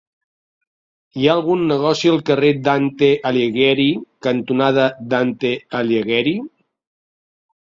Hi ha algun negoci al carrer Dante Alighieri cantonada Dante Alighieri?